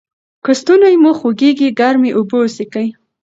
که ستونی مو خوږیږي ګرمې اوبه وڅښئ.